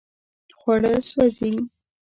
خواړه سوځي